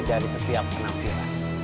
dari setiap penampilan